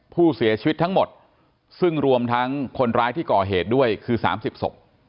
ผู้เสียชีวิตทั้งหมดซึ่งรวมทั้งคนร้ายที่ก่อเหตุด้วยคือ๓๐ศพ